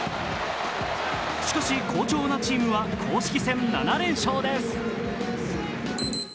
しかし、好調なチームは公式戦７連勝です。